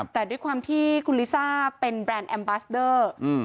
แต่ด้วยความที่คุณลิซ่าเป็นแบรนด์แอมบาสเดอร์